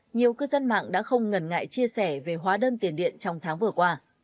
nhiều cư dân mạng đã không ngần ngại chia sẻ về hóa đơn tiền điện trong tháng vừa qua